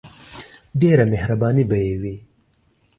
ډیره مهربانی به یی وی.